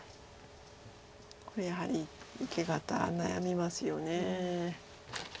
これやはり受け方悩みますよね。